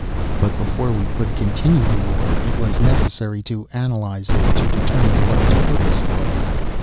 But before we could continue the war, it was necessary to analyze it to determine what its purpose was.